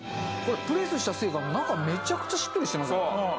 これプレスしたせいか中めちゃくちゃしっとりしてますね。